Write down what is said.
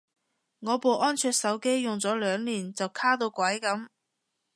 我部安卓手機用咗兩年就卡到鬼噉